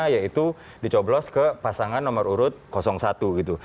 yaitu dicoblos ke pasangan nomor urut satu gitu